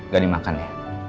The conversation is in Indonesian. gak dimakan ya